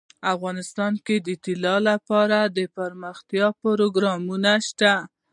افغانستان کې د طلا لپاره دپرمختیا پروګرامونه شته.